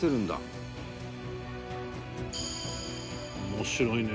「面白いね」